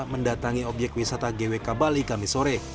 mendatangi objek wisata gwk bali kami sore